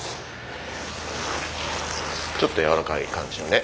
ちょっと柔らかい感じだね。